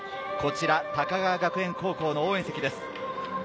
こちら高川学園高校の応援席です。